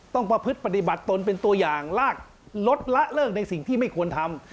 ประพฤติปฏิบัติตนเป็นตัวอย่างลากลดละเลิกในสิ่งที่ไม่ควรทำ